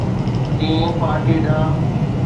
ٽئين پارٽي ڏانهن.